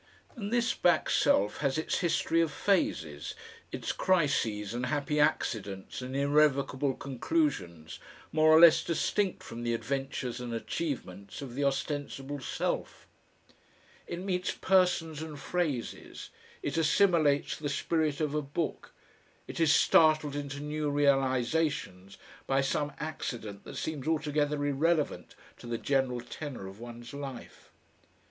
And this back self has its history of phases, its crises and happy accidents and irrevocable conclusions, more or less distinct from the adventures and achievements of the ostensible self. It meets persons and phrases, it assimilates the spirit of a book, it is startled into new realisations by some accident that seems altogether irrelevant to the general tenor of one's life.